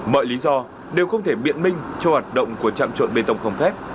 mọi lý do đều không thể biện minh cho hoạt động của trạm trộn bê tông không phép